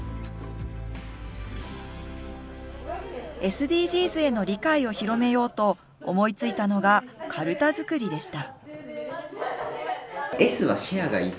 ＳＤＧｓへの理解を広めようと思いついたのがかるた作りでした。